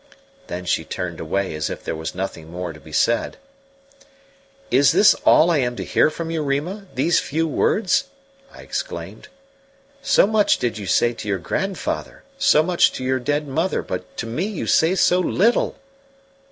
Then she turned away as if there was nothing more to be said. "Is this all I am to hear from you, Rima these few words?" I exclaimed. "So much did you say to your grandfather, so much to your dead mother, but to me you say so little!"